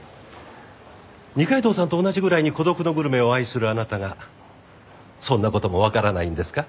二階堂さんと同じぐらいに『孤独のグルメ』を愛するあなたがそんな事もわからないんですか？